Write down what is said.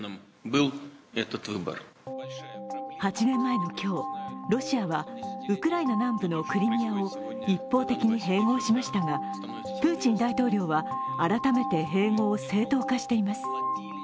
８年前の今日、ロシアはウクライナ南部のクリミアを一方的に併合しましたがプーチン大統領は改めて併合を正当化しています。